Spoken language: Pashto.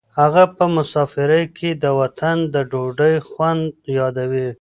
هغه په مسافرۍ کې د وطن د ډوډۍ خوند یادوي.